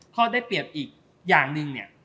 ข้อได้เปรียบอีกอย่างหนึ่งเนี่ย